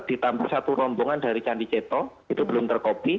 ditambah satu rombongan dari candi ceto itu belum terkopi